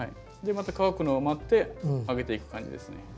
でまた乾くのを待ってあげていく感じですね。